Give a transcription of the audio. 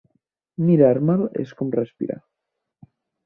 Mirar-me'l és com respirar.